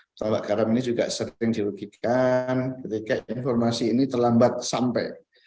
pesawat garam ini juga sering dirugikan ketika informasi ini terlambat sampai